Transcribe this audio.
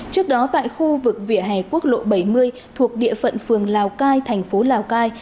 trước đó tại khu vực vỉa hè quốc lộ bảy mươi thuộc địa phận phường lào cai thành phố lào cai